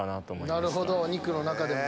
なるほどお肉の中でも。